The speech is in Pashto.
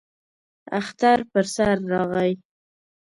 اختر پر سر راغی.